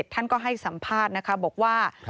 ท่านก็ให้สัมภาษณ์นะคะบอกว่า